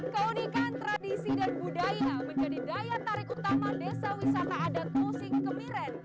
keunikan tradisi dan budaya menjadi daya tarik utama desa wisata adat musim kemiren